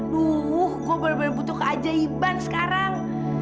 duh gue bener bener butuh kajaiban sekarang